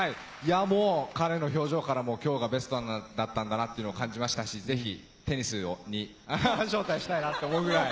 彼の表情からも、きょうがベストだったのを感じましたし、ぜひテニスに招待したいなと思うくらい。